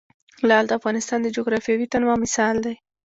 لعل د افغانستان د جغرافیوي تنوع مثال دی.